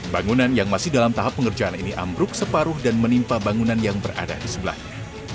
bangunan yang masih dalam tahap pengerjaan ini ambruk separuh dan menimpa bangunan yang berada di sebelahnya